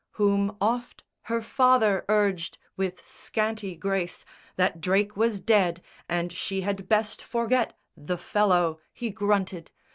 Whom oft her father urged with scanty grace That Drake was dead and she had best forget The fellow, he grunted.